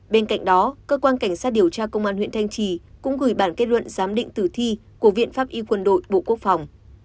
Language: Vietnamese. bên cạnh đó cơ quan cảnh sát điều tra công an huyện thanh trì cũng gửi bản kết luận giám định tử thi của viện pháp y quân đội bộ quốc phòng